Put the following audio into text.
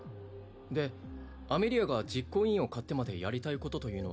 でアメリアが実行委員を買ってまでやりたいことというのは